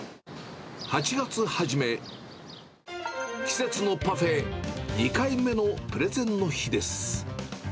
８月初め、季節のパフェ、２回目のプレゼンの日です。